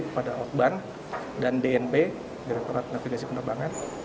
kami kembali kepada okban dan dnb direkturat navigasi penerbangan